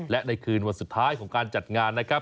และในคืนวันสุดท้ายของการจัดงานนะครับ